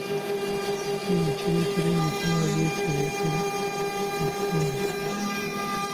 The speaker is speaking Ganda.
Ki ekireetera ebikolwa eby'ekiyeekera mu kitundu?